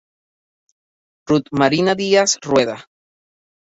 Ruth Marina Díaz Rueda.